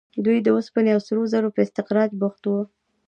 دوی د اوسپنې او سرو زرو په استخراج بوخت وو.